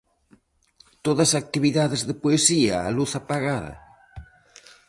Todas actividades de Poesía, a luz apagada?